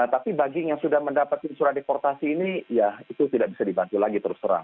tapi bagi yang sudah mendapatkan surat deportasi ini ya itu tidak bisa dibantu lagi terus terang